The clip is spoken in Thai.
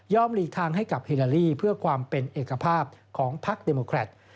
หลีกทางให้กับฮิลาลีเพื่อความเป็นเอกภาพของพักเดโมแครต